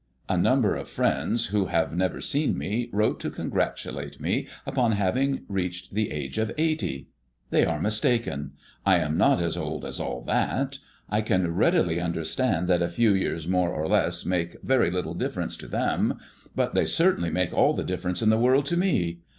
A number of friends who have never seen me wrote to congratulate me upon having reached the age of eighty. They are mistaken; I am not as old as all that. I can readily understand that a few years more or less make very little difference to them, but they certainly make all the difference in the world to me.